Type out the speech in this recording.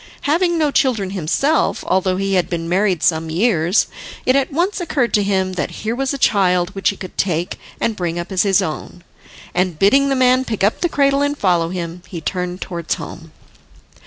Having no children himself, although he had been married some years, it at once occurred to him that here was a child which he could take and bring up as his own. And, bidding the man pick up the cradle and follow him, he turned towards home.